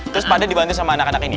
terus pak d dibantu sama anak anak ini ya